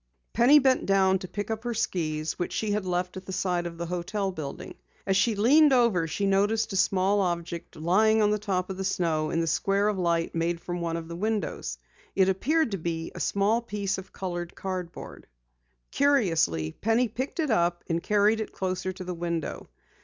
Penny bent down to pick up her skis which had been left at the side of the hotel building. As she leaned over, she noticed a small object lying on top of the snow in the square of light made from one of the windows. It appeared to be a small piece of colored cardboard. Curiously, Penny picked it up and carried it closer to the window.